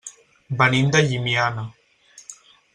Venim de Llimiana.